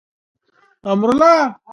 سادهګي د باهدفه انسان تګلاره ده.